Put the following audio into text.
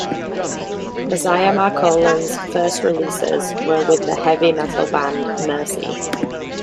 Messiah Marcolin's first releases were with the heavy metal band Mercy.